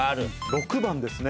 ６番ですね